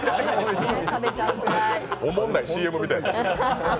おもんないＣＭみたい。